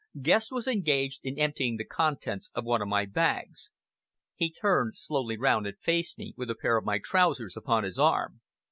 Guest was engaged in emptying the contents of one of my bags. He turned slowly round and faced me, with a pair of my trousers upon his arm.